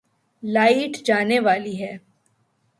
light جانے والی ہے